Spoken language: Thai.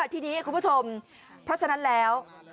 ทีนี้คุณผู้ชมเพราะฉะนั้นแล้ว